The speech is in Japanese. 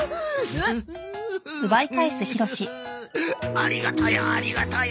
ありがたやありがたや。